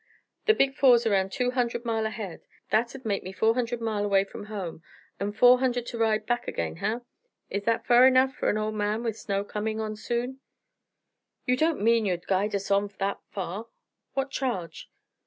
The big ford's erroun' two hunderd mile ahead. That'd make me four hunderd mile away from home, an' four hunderd to ride back agin' huh? Is that fur enough fer a ol' man, with snow comin' on soon?" "You don't mean you'd guide us on that far? What charge?"